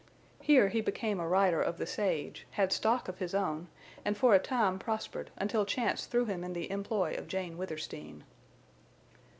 Here he became a rider of the sage, had stock of his own, and for a time prospered, until chance threw him in the employ of Jane Withersteen.